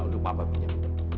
untuk papa pijat